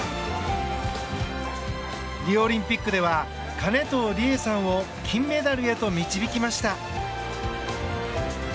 リオオリンピックでは金藤理絵さんを金メダルへと導きました。